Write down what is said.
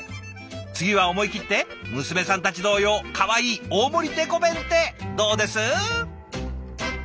次は思い切って娘さんたち同様かわいい大盛りデコ弁ってどうです？